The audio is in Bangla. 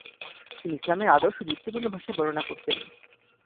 তিনি ইসলামের আদর্শ যুক্তিপূর্ণ ভাষায় বর্ণনা করতেন।